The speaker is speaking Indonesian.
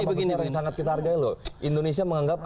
ini ulama besar yang sangat kita hargai loh